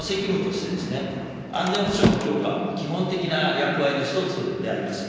国の責務として、安全保障の強化は基本的な役割の一つであります。